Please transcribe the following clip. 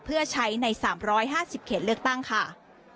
เพื่อใช้ใน๓๕๐เขตเลือกตั้งค่ะ